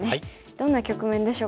どんな局面でしょうか。